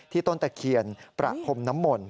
ต้นตะเคียนประพรมน้ำมนต์